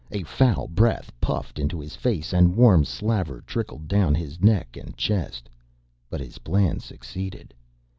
A foul breath puffed into his face and warm slaver trickled down his neck and chest. But his plan succeeded.